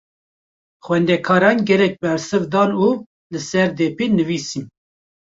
Xwendekaran gelek bersiv dan û li ser depê nivîsîn.